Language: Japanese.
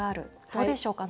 どうでしょうか？